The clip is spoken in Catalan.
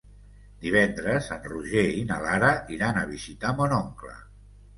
Divendres en Roger i na Lara iran a visitar mon oncle.